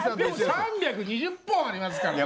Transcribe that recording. ３２０本ありますからね。